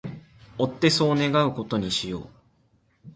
追ってそう願う事にしよう